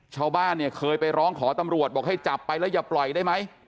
ชาวบ้านเนี่ยเคยไปร้องขอตำรวจบอกให้จับไปแล้วอย่าปล่อยได้ไหม